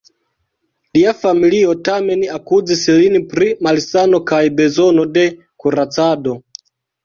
Lia familio tamen akuzis lin pri malsano kaj bezono de kuracado.